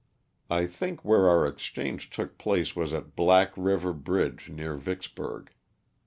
I think where our ex change took place was at Black river bridge near Vicks burg.